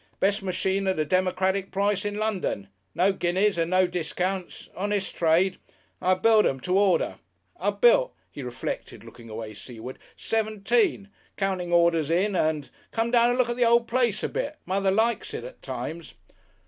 Best machine at a democratic price in London. No guineas and no discounts honest trade. I build 'em to order. I've built," he reflected, looking away seaward "seventeen. Counting orders in 'and.... Come down to look at the old place a bit. Mother likes it at times."